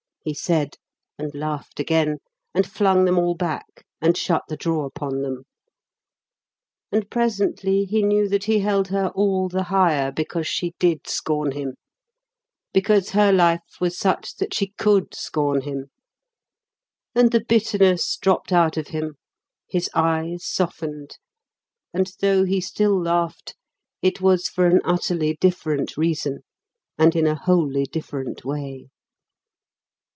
he said, and laughed again, and flung them all back and shut the drawer upon them. And presently he knew that he held her all the higher because she did scorn him; because her life was such that she could scorn him; and the bitterness dropped out of him, his eyes softened, and though he still laughed, it was for an utterly different reason, and in a wholly different way.